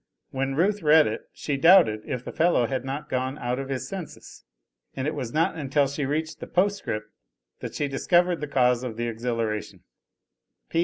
When Ruth read it, she doubted if the fellow had not gone out of his senses. And it was not until she reached the postscript that she discovered the cause of the exhilaration.